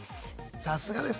さすがです。